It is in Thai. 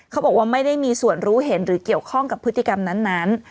เขาบอกว่าไม่ได้มีส่วนรู้เห็นหรือเกี่ยวข้องกับพฤติกรรมนั้น